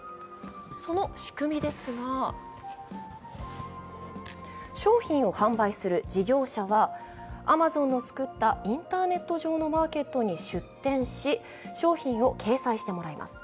その仕組みですが、商品を販売する事業者はアマゾンの作ったインターネット上のマーケットに出店し、商品を掲載してもらいます。